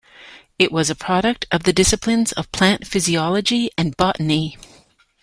It was a product of the disciplines of plant physiology and botany.